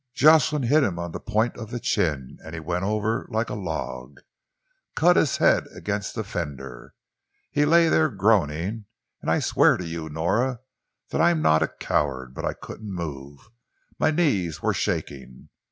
Jocelyn hit him on the point of the chin and he went over like a log cut his head against the fender. He lay there groaning, and I I swear to you, Nora, that I'm not a coward, but I couldn't move my knees were shaking.